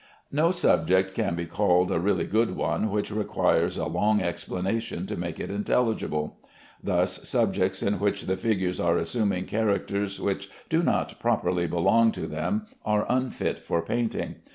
No subject can be called a really good one which requires a long explanation to make it intelligible. Thus subjects in which the figures are assuming characters which do not properly belong to them are unfit for painting.